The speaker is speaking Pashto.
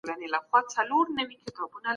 سیاستوال څنګه د ښځو حقونه خوندي ساتي؟